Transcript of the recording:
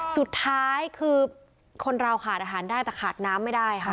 สุดท้ายคือคนเราขาดอาหารได้แต่ขาดน้ำไม่ได้ค่ะ